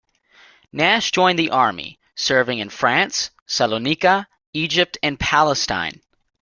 Nash joined the army, serving in France, Salonika, Egypt and Palestine.